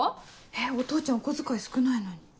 お父ちゃんお小遣い少ないのに。